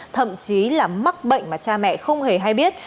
thậm chí là mắc bệnh mà cha mẹ không hề hay biết